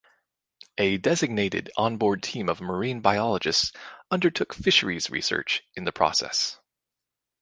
A designated onboard team of marine biologists undertook fisheries research in the process.